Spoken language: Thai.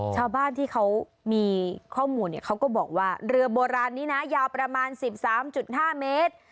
อ๋อชาวบ้านที่เขามีข้อมูลเขาก็บอกว่าเรือโบราณนี้นะยาวประมาณสิบสามจุดห้าเมตร